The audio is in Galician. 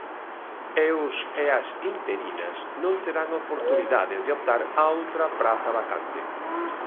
E os e as interinas non terán oportunidade de optar a outra praza vacante.